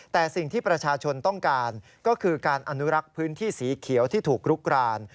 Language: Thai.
แต่สิ่งที่ประชาชนต้องการก็คือการอนุรักษ์พื้นที่สีเขียวที่ถูกลุกราน